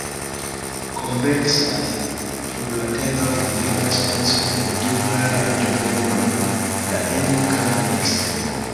Konveksaj plurlateroj dividas spacon en du klarajn regionojn, la eno kaj la ekstero.